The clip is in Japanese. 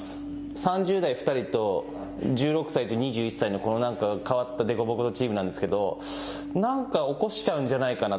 ３０代２人と１６歳と２１歳の変わった凸凹のチームなんですけどなんか起こしちゃうんじゃないかなと。